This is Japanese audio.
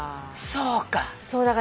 そうか。